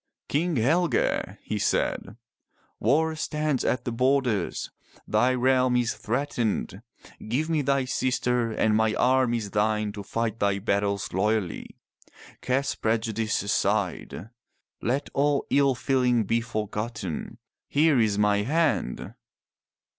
"King Helge,'' he said, War stands at the borders. Thy realm is threatened. Give me thy sister and my arm is thine to fight thy battles loyally. Cast prejudice aside. Let all ill feeling be forgotten. Here is my hand.''